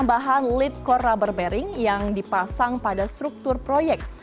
bahan lead core rubber bearing yang dipasang pada struktur proyek